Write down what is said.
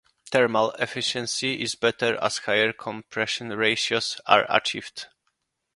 Thermal efficiency is better as higher compression ratios are achieved.